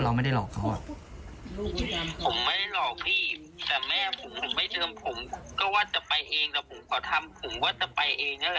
แล้วผมไปไม่ถูกผมเอาไม่ได้